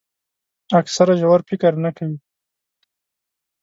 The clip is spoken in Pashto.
اکثره ژور فکر نه کوي.